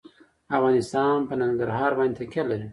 افغانستان په ننګرهار باندې تکیه لري.